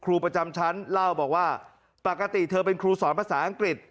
ครูประจำชั้นเล่าบอกว่าปกติเธอเป็นครูสอนภาษาอังกฤษ